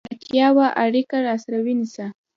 که اړتیا وه، اړیکه راسره ونیسه!